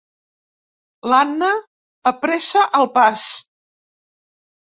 L'Anna apressa el pas.